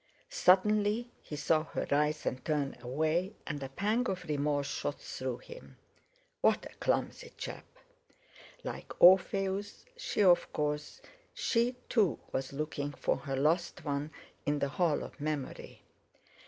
Suddenly he saw her rise and turn away, and a pang of remorse shot through him. What a clumsy chap! Like Orpheus, she of course—she too was looking for her lost one in the hall of memory!